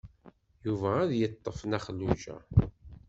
Yuba ad d-yeṭṭef Nna Xelluǧa.